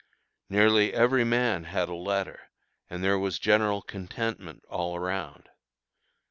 Nearly every man had a letter, and there was general contentment all around.